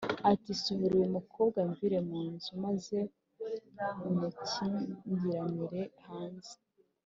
ati “Sohora uyu mukobwa amvire mu nzu, maze umukingiranire hanze.”